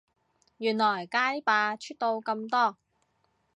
原來街霸出到咁多